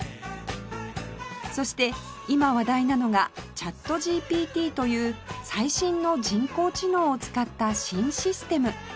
そして今話題なのが ＣｈａｔＧＰＴ という最新の人工知能を使った新システム